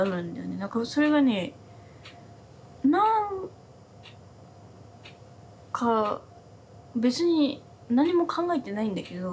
何かそれがね何か別に何も考えてないんだけど。